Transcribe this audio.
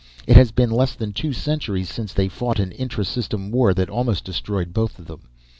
It has been less than two centuries since they fought an intra system war that almost destroyed both of them.